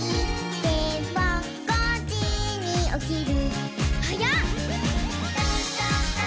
「でも５じにおきる」